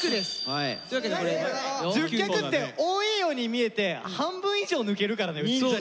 １０脚って多いように見えて半分以上抜けるからねうち。